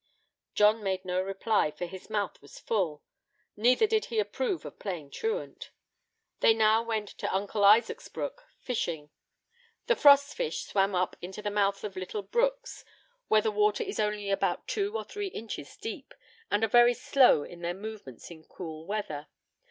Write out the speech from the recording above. John made no reply, for his mouth was full; neither did he approve of playing truant. They now went to Uncle Isaac's brook, fishing. The frost fish swim up into the mouth of little brooks, where the water is only about two or three inches deep, and are very slow in their movements in cool weather.